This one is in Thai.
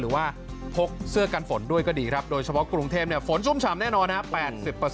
หรือว่าพกเสื้อกันฝนด้วยก็ดีครับโดยเฉพาะกรุงเทพฝนชุ่มฉ่ำแน่นอนนะครับ